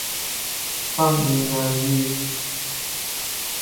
百年難遇